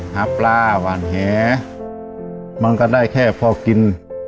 หาปลาหวานแหมันก็ได้แค่พอกิน